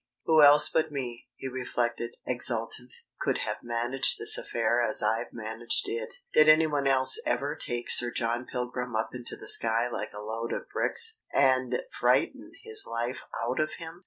"Who else but me," he reflected, exultant, "could have managed this affair as I've managed it? Did anyone else ever take Sir John Pilgrim up into the sky like a load of bricks, and frighten his life out of him?"